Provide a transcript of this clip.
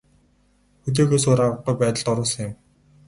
Хүлээхээс өөр аргагүй байдалд оруулсан юм.